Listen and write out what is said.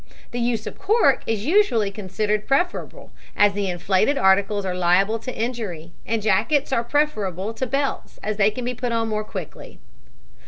The use of cork is usually considered preferable, as the inflated articles are liable to injury, and jackets are preferable to belts as they can be put on more quickly.